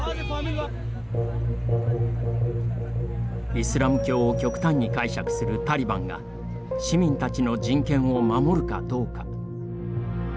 イスラム教を極端に解釈するタリバンが、市民たちの人権を守るかどうか。